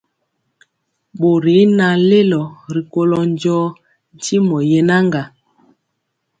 Bori y naŋ lelo rikolo njɔɔ tyimɔ yenaga.